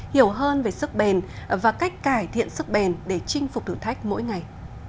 hiểu hơn về sức bền và cách cải thiện sức bền để chinh phục thử thách mỗi ngày